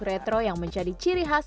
nyatanya dalam pen daily mirror